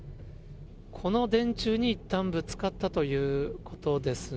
この電柱にいったんぶつかったということですね。